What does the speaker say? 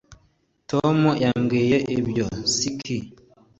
tom yambwiye ibyo. (ck)